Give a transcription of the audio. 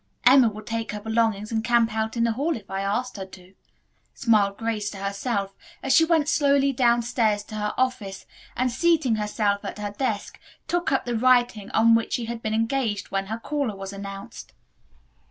"Emma would take her belongings and camp out in the hall if I asked her to," smiled Grace to herself as she went slowly downstairs to her office and, seating herself at her desk, took up the writing on which she had been engaged when her caller was announced.